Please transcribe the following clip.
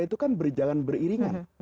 itu kan berjalan beriringan